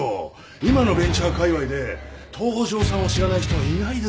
今のベンチャーかいわいで東城さんを知らない人はいないですよ。